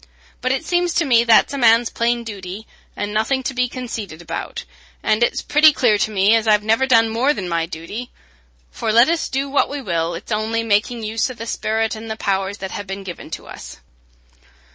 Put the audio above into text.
But it seems to me that's a man's plain duty, and nothing to be conceited about, and it's pretty clear to me as I've never done more than my duty; for let us do what we will, it's only making use o' the sperrit and the powers that ha' been given to us.